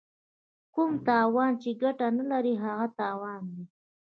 کوم تاوان چې ګټه نه لري هغه تاوان دی.